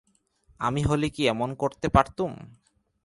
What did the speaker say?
আমি হলে কি এমন করতে পারতুম।